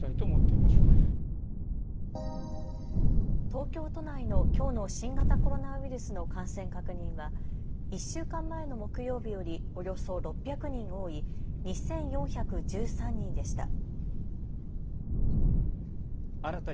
東京都内のきょうの新型コロナウイルスの感染確認は１週間前の木曜日よりおよそ６００人多い２４１３人でした。